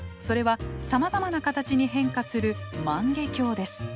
それはさまざまな形に変化する万華鏡です。